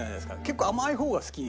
結構甘い方が好き？